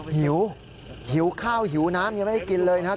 หิวหิวข้าวหิวน้ำยังไม่ได้กินเลยนะครับ